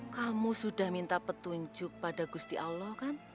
kamu sudah minta petunjuk pada gusti allah kan